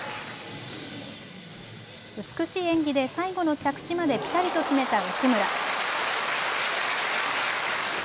美しい演技で最後の着地までピタリと決めた内村。